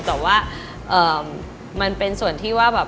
แต่ว่ามันเป็นส่วนที่ว่าแบบ